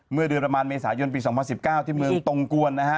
เมื่อเดือนประมาณเมษายนปี๒๐๑๙ที่เมืองตรงกวนนะฮะ